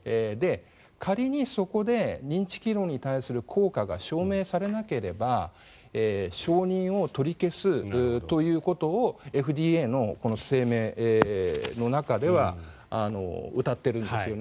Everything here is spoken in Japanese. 仮にそこで認知機能に対する効果が証明されなければ承認を取り消すということをＦＤＡの声明の中ではうたっているんですよね。